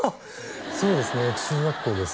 そうですね中学校です